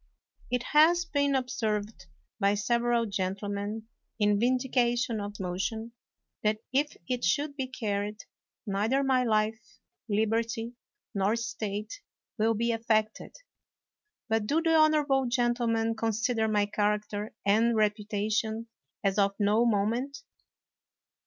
It has been observed by several gentlemen, in vindication of this motion, that if it should be carried, neither my life, liberty, nor estate will be affected. But do the honorable gentlemen con sider my character and reputation as of no mo ment?